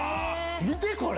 見てこれ！